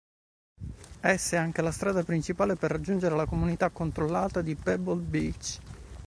Essa è anche la strada principale per raggiungere la "comunità controllata" di Pebble Beach.